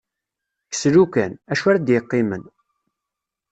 Kkes "lukan", acu ara d-iqqimen.